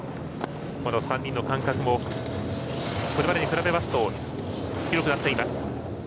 ３人の間隔もこれまでに比べると広くなっています。